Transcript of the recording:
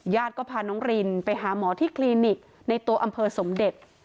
ก็พาน้องรินไปหาหมอที่คลินิกในตัวอำเภอสมเด็จ